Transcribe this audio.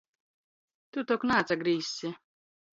Tu tok naatsagrīzsi?